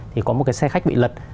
thì có một cái xe khách bị lật